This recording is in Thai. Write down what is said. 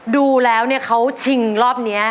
ดูแล้วเนี่ยเขาชิงรอบนี้